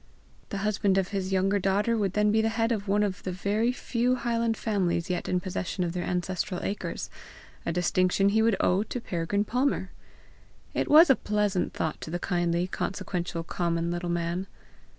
The husband of his younger daughter would then be head of one of the very few highland families yet in possession of their ancestral acres a distinction he would owe to Peregrine Palmer! It was a pleasant thought to the kindly, consequential, common little man.